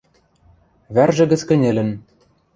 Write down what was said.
Вӓржӹ гӹц кӹньӹлӹн.